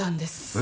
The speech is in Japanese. え？